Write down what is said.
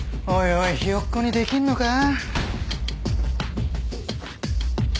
おいおいひよっこにできんのか？